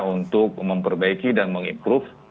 untuk memperbaiki dan mengimprove